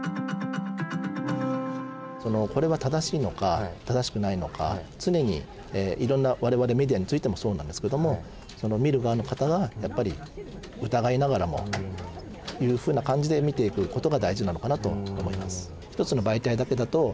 これは正しいのか正しくないのか常に我々メディアについてもそうなんですけども見る側の方がやっぱり疑いながらもというふうな感じで見ていくことが大事なのかなと思います。